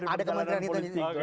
ada kementerian itu